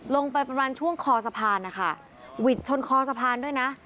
ลงไปประมาณช่วงคอสะพานนะคะหวิดชนคอสะพานด้วยนะ